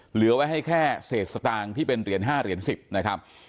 เหลือไว้ให้แค่เสร็จสตางค์ที่เป็นเหรียญ๕เหรียญ๑๐